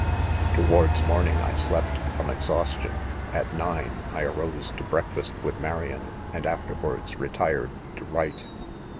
4 Towards morning 1 1 slept from exhaustion ; at nine, I arose to breakfast .with Mariany and afterwards retired to : write.